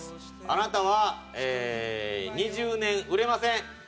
あなたは２０年売れません。